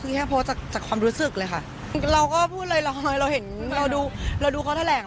คือแค่โพสต์จากความรู้สึกเลยค่ะเราก็พูดเลยเราดูเขาแท้แหล่ง